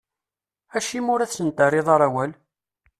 Acimi ur asen-terriḍ ara awal?